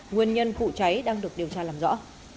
nguyên nhân vụ cháy đang được điều tra làm rõ